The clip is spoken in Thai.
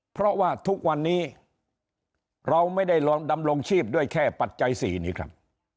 เพราะว่าทุกวันนี้เราไม่ได้ดำรงชีพด้วยแค่ปัจจัย๔นี่ครับ